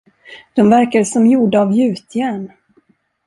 De verkade som gjorda av gjutjärn.